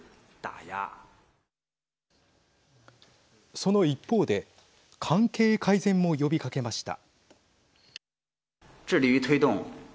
その一方で関係改善も呼びかけました。